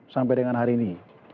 sampai dengan hari ini